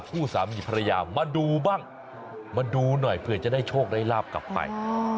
ผู้สามีภรรยามาดูบ้างมาดูหน่อยเผื่อจะได้โชคได้ลาบกลับไป